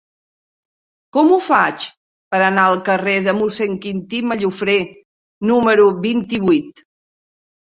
Com ho faig per anar al carrer de Mossèn Quintí Mallofrè número vint-i-vuit?